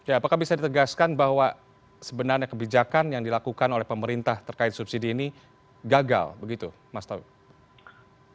apakah bisa ditegaskan bahwa sebenarnya kebijakan yang dilakukan oleh pemerintah terkait subsidi ini gagal begitu mas taufik